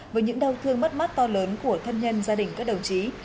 với những đau thương mất mát to lớn của thân nhân gia đình các đồng chí